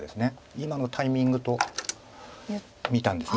今のタイミングと見たんです。